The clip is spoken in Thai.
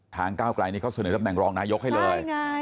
ทางก้ากลายนี้เขาเสนอแล้วแมงรองนายกให้เลย